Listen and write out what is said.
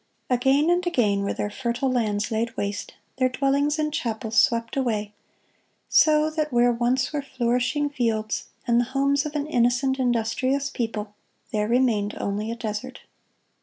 Again and again were their fertile lands laid waste, their dwellings and chapels swept away, so that where once were flourishing fields and the homes of an innocent, industrious people, there remained only a desert.